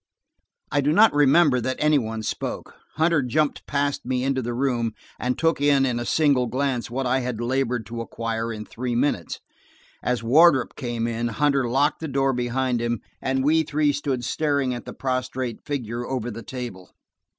I do not remember that any one spoke. Hunter jumped past me into the room and took in in a single glance what I had labored to acquire in three minutes. As Wardrop came in, Hunter locked the door behind him, and we three stood staring at the prostrate figure over the table.